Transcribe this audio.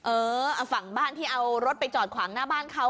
เออฝั่งบ้านที่เอารถไปจอดขวางหน้าบ้านเขา